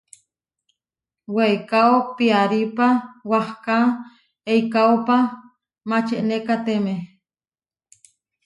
Weikáo piarípa wahká eikaópa mačenekatemé.